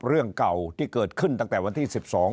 เรื่องเก่าที่เกิดขึ้นตั้งแต่วันที่๑๒